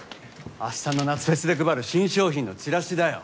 明日の夏フェスで配る新商品のちらしだよ。